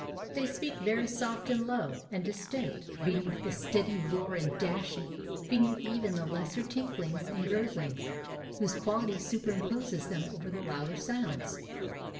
They speak very soft and low and distinct beneath the steady roar and dashing, beneath even the lesser tinklings and gurglings whose quality superimposes them over the louder sounds.